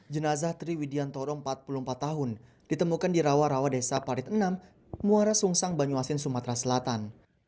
jenazah triwidiantoro empat puluh empat tahun ditemukan di rawa rawa desa parit enam muara sungsang banyuasin sumatera selatan